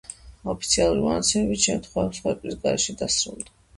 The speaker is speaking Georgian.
ოფიციალური მონაცემებით შემთხვევა მსხვერპლის გარეშე დასრულდა.